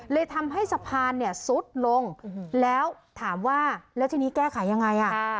เลยทำให้สะพานเนี่ยซุดลงแล้วถามว่าแล้วทีนี้แก้ไขยังไง